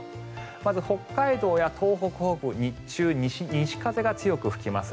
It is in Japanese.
まず、北海道や東北北部日中、西風が強く吹きます。